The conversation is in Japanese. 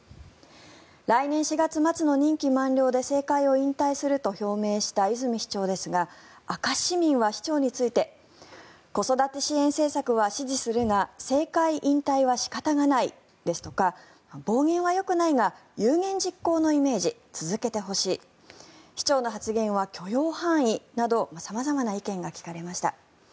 来年４月末の任期満了で政界を引退すると表明した泉市長ですが明石市民は市長について子育て支援政策は支持するが政界引退は仕方がないですとか暴言はよくないが有言実行のイメージ続けてほしい市長の発言は許容範囲など様々な意見が聞かれました。